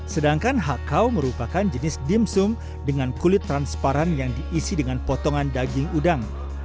sedangkan hakau merupakan jenis dimsum dengan kulit transparan yang diisi dengan potongan daging udang